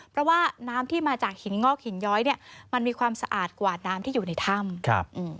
เพราะว่าน้ำที่มาจากหินงอกหินย้อยเนี่ยมันมีความสะอาดกว่าน้ำที่อยู่ในถ้ำครับอืม